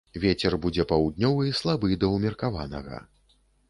Вецер будзе паўднёвы слабы да ўмеркаванага.